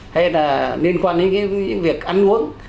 hay là liên quan đến những việc ăn